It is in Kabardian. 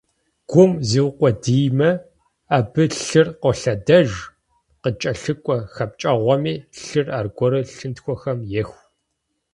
Гум зиукъуэдиймэ, абы лъыр къолъэдэж, къыкӀэлъыкӀуэ хэпкӀэгъуэми лъыр аргуэру лъынтхуэхэм еху.